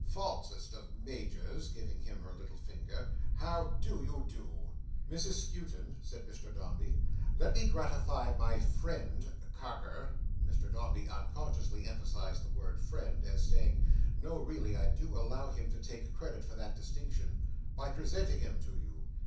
Falsest of Majors," giving him her little finger, "how do you do?" "Mrs Skewton," said Mr Dombey, "let me gratify my friend Carker:" Mr Dombey unconsciously emphasised the word friend, as saying 'no really; I do allow him to take credit for that distinction:' "by presenting him to you.